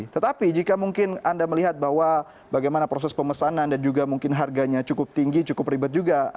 tetapi jika mungkin anda melihat bahwa bagaimana proses pemesanan dan juga mungkin harganya cukup tinggi cukup ribet juga